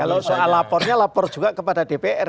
kalau soal lapornya lapor juga kepada dpr